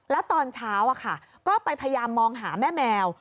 แล้วตอนเช้าก็ไปพยายามมองหาแม่แมว